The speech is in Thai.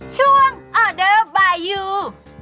ช่วงออเดอร์บายู